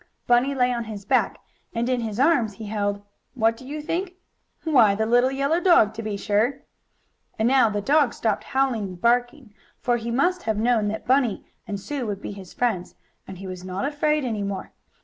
Bunny lay on his back, and in his arms he held what do you think? Why the little yellow dog, to be sure! And now the dog stopped howling and barking, for he must have known that Bunny and Sue would be his friends, and he was not afraid any more.